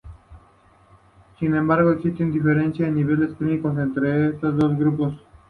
Sin embargo existe diferencia a nivel clínico entre estos dos grupos.